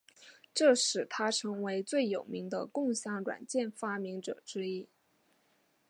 这使他成为最有名的共享软件发明者之一。